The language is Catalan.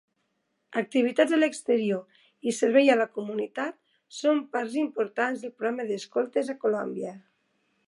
Activitats a l'exterior i servei a la comunitat són parts importants del programa d'escoltes a Colombia.